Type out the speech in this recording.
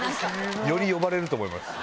より呼ばれると思います。